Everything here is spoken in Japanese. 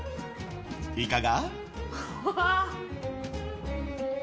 いかが？